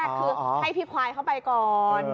คือให้พี่ควายเข้าไปก่อน